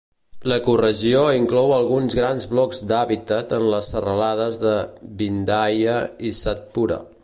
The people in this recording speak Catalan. L'ecoregió inclou alguns grans blocs d'hàbitat en les serralades de Vindhya i Satpura.